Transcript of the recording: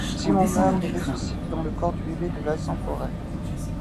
Simon meurt et ressuscite dans le corps du bébé de Vincent Porel.